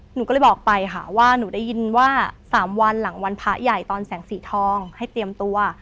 หนูก็เลยบอกไปค่ะว่าหนูได้ยินว่า๓วันหลังวันพระใหญ่ตอนแสงสีทองให้เตรียมตัว